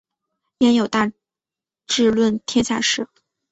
焉有大智论天下事！